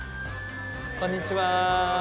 こんにちは。